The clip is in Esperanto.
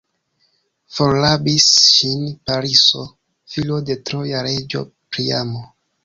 Forrabis ŝin Pariso, filo de troja reĝo Priamo.